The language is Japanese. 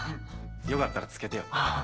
よかったら着けてよ。